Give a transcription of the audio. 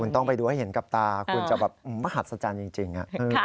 ต้องไปดูให้เห็นกับตาคุณจะแบบมหัศจรรย์จริง